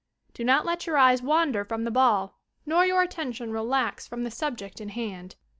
Do not let your eyes wander from the ball nor your attention relax from the subject in hand.